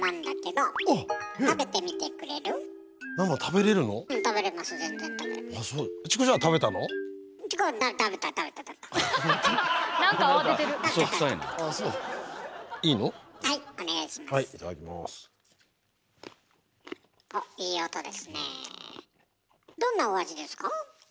どんなお味ですか？